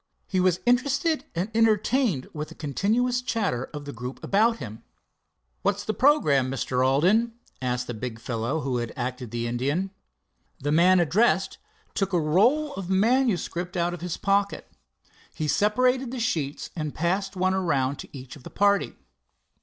He was interested and entertained with the continuous chatter of the group about him. "What's the programme, Mr. Alden?" asked the big fellow who had acted the Indian. The man addressed took a roll of manuscript out of his pocket. He separated the sheets and passed one around to each of the party.